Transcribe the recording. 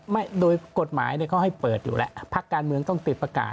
ไม่โดยกฎหมายเนี่ยเขาให้เปิดอยู่แล้วพักการเมืองต้องติดประกาศ